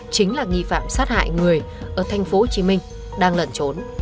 chính là nghi phạm sát hại người ở tp hcm đang lẩn trốn